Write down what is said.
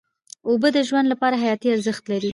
اوبه د ژوند لپاره حیاتي ارزښت لري.